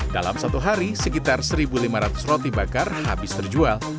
dalam satu hari sekitar satu lima ratus roti bakar habis terjual